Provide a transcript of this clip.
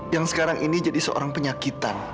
yang sekarang ini jadi seorang penyakitan